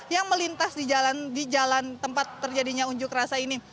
yang melintas di jalan tempat terjadinya unjuk rasa ini